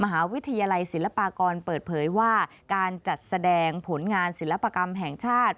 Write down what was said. มหาวิทยาลัยศิลปากรเปิดเผยว่าการจัดแสดงผลงานศิลปกรรมแห่งชาติ